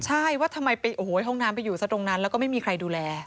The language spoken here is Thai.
ใช่ว่าทำไมไปโอ้โหห้องน้ำไปอยู่ซะตรงนั้นแล้วก็ไม่มีใครดูแล